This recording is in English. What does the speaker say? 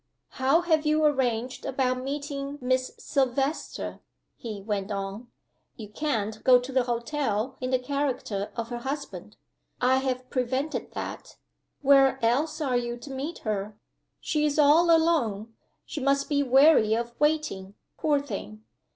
"How have you arranged about meeting Miss Silvester?" he went on. "You can't go to the hotel in the character of her husband. I have prevented that. Where else are you to meet her? She is all alone; she must be weary of waiting, poor thing.